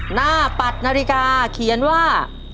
ปัดนาฬิกาเขียนว่า